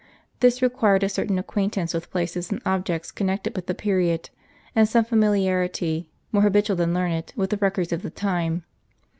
This required a certain acquaintance with places and objects con nected with the period, and some familiarity, more habitual than learned, with the records of the time.